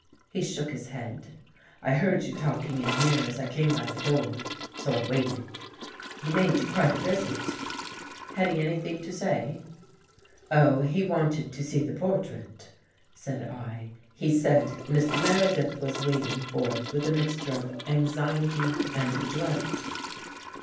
He shook his head. " I heard you talking in here as I came by the door, so I waited. He made you quite a visit. Had he anything to say? "" Oh, he wanted to see the portrait," said I. " He said Miss Meredith was waiting for It with a mixture of anxiety and dread."